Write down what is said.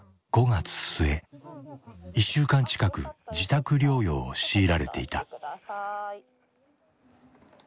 １週間近く自宅療養を強いられていた。